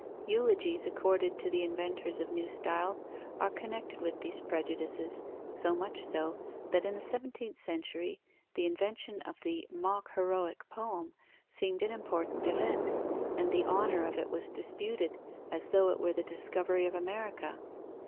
Eulogies accorded to the inventors of new styles are connected with these prejudices, so much so, that in the seventeenth century the invention of the mock heroic poem seemed an important event, and the honour of it was disputed, as though it were the discovery of America.